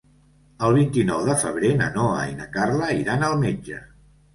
El vint-i-nou de febrer na Noa i na Carla iran al metge.